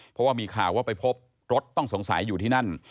เพราะว่ามีข่าวว่าไปพบรถต้องสงสัยอยู่ที่นั่น